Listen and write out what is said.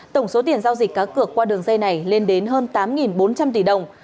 tổng số tiền giao dịch cá cược qua đường dây này lên đến hơn tám bốn trăm linh tỷ đồng